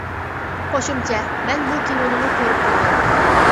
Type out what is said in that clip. قوشۇمچە : مەن بۇ كىنونىمۇ كۆرۈپ بولغان.